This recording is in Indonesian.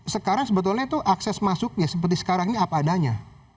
sekarang sebetulnya itu akses masuknya seperti sekarang ini apa adanya